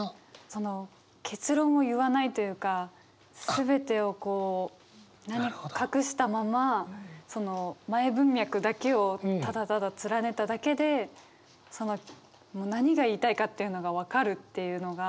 その結論を言わないというか全てを隠したまま前文脈だけをただただ連ねただけでもう何が言いたいかっていうのが分かるっていうのが。